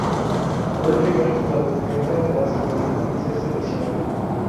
Fue el primer jugador que no era de raza blanca en ser seleccionado.